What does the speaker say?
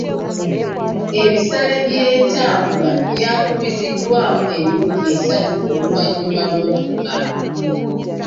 Ebisale by'entambula byakubisiddwamu emirundi esatu oluvannyuma lw'omuggalo.